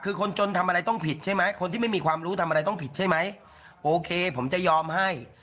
คือคนจนทำอะไรต้องผิดใช่ไหมคนที่ไม่มีความรู้ทำอะไรต้องผิดใช่ไหมโอเคผมจะยอมให้